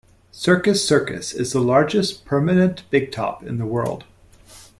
Circus Circus is the largest permanent big top in the world.